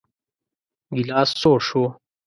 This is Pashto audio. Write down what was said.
ګيلاس سوړ شو.